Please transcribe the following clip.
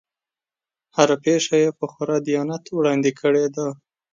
هره پېښه یې په خورا دیانت وړاندې کړې ده.